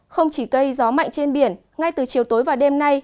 không chỉ cây gió mạnh trên biển ngay từ chiều tối và đêm nay